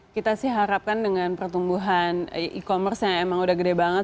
kita sih harapkan dengan pertumbuhan e commerce yang emang udah gede banget